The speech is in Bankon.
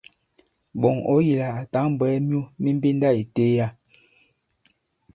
Ɓɔ̀ŋ ɔ̌ yī lā à tǎŋ bwɛ̀ɛ myu mi mbenda ì teliya.